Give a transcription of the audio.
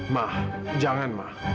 ma jangan ma